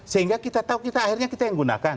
sehingga kita tahu kita akhirnya kita yang gunakan